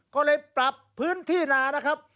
ก็เลยปรับพื้นที่นานะครับ